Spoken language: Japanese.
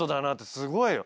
すごいよ。